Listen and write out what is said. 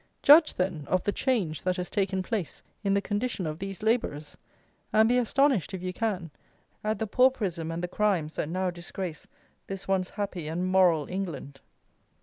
Judge, then, of the change that has taken place in the condition of these labourers! And be astonished, if you can, at the pauperism and the crimes that now disgrace this once happy and moral England.